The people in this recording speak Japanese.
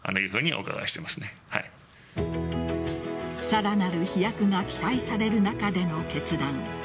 さらなる飛躍が期待される中での決断。